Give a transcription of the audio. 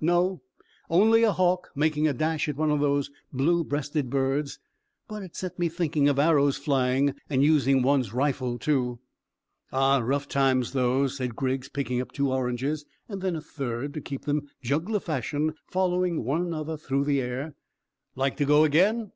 "No; only a hawk making a dash at one of those blue breasted birds; but it set me thinking of arrows flying, and using one's rifle too." "Ah, rough times those," said Griggs, picking up two oranges, and then a third, to keep them, juggler fashion, following one another through the air. "Like to go again?"